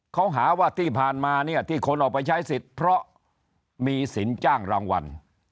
เขาหาว่าที่ผ่านมาเนี่ยที่คนออกไปใช้สิทธิ์เพราะมีสินจ้างรางวัล